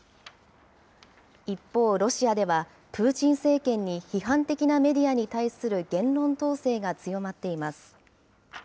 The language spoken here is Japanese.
一方、ロシアではプーチン政権に批判的なメディアに対する言論統制が強まっています。